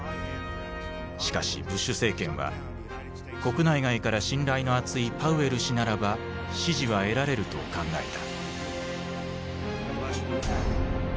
しかしブッシュ政権は国内外から信頼の厚いパウエル氏ならば支持は得られると考えた。